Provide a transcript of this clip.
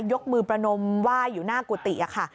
ยกมือประนมไหว้อยู่หน้ากุฏิค่ะ